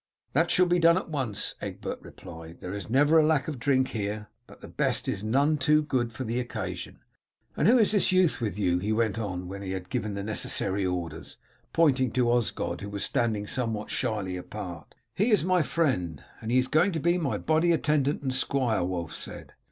"That shall be done at once," Egbert replied; "there is never a lack of drink here, but the best is none too good for the occasion. And who is this youth with you?" he went on when he had given the necessary orders, pointing to Osgod, who was standing somewhat shyly apart. "He is my friend, and is going to be my body attendant and squire," Wulf said.